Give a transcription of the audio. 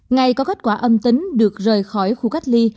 ngày có kết quả âm tính được rời khỏi khu cách ly